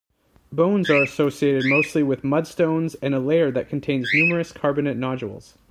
Bones are associated mostly with mudstones and a layer that contains numerous carbonate nodules.